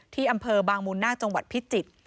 ที่อำเภอบางมูลนาคจังหวัดพิจิตร